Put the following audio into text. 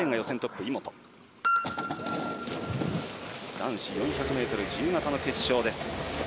男子４００ｍ自由形の決勝です。